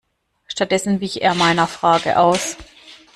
Stattdessen wich er meiner Frage aus.